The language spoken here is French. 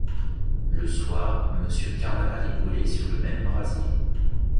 Le soir, monsieur Carnaval est brûlé sur le même brasier.